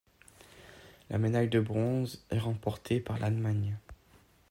La médaille de bronze est remportée par l’Allemagne.